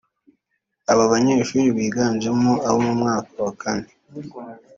Aba banyeshuri biganjemo abo mu mwaka wa kane